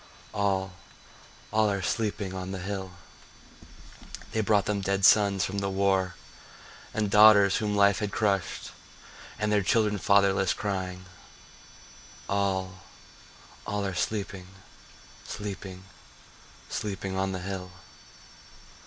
— All, all are sleeping on the hill. They brought them dead sons from the war, And daughters whom life had crushed, And their children fatherless, crying— All, all are sleeping, sleeping, sleeping on the hill.